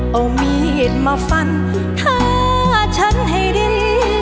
เอามีดมาฟันฆ่าฉันให้ดิน